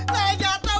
saya jatoh bang